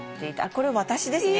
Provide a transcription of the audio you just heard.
これ私ですね